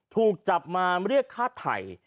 ถูกจับมาเรียกฆ่าไทย